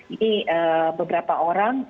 ini beberapa orang